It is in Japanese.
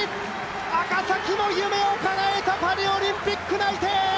赤崎も夢をかなえたパリオリンピック内定。